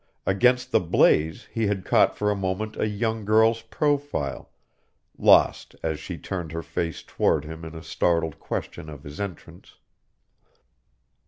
Against the blaze he had caught for a moment a young girl's profile, lost as she turned her face toward him in startled question of his entrance.